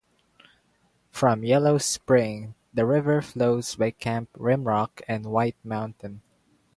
From Yellow Spring, the river flows by Camps Rim Rock and White Mountain.